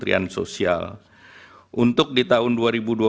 dan ini realisasi rp tujuh lima triliun yang diselenggarakan oleh bapanas